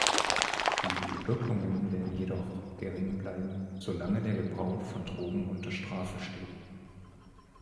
Die Wirkungen werden jedoch gering bleiben, solange der Gebrauch von Drogen unter Strafe steht.